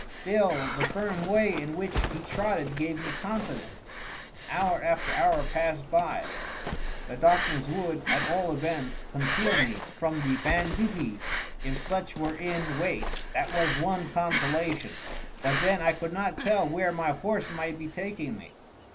Still the firm way in which he trotted gave me confidence. Hour after hour passed by. The darkness would, at all events, conceal me from the banditti, if such were in wait that was one consolation; but then I could not tell where my horse might be taking me.